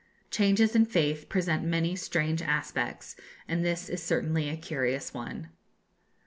Changes in faith present many strange aspects, and this is certainly a curious one.